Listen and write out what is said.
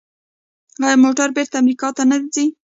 آیا موټرې بیرته امریکا ته نه ځي؟